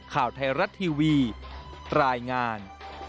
ข่าวไทยรัฐทีวีรายงาน